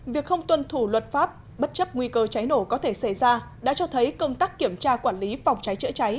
việc không tuân thủ luật pháp bất chấp nguy cơ cháy nổ có thể xảy ra đã cho thấy công tác kiểm tra quản lý phòng cháy chữa cháy